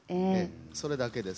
それだけです。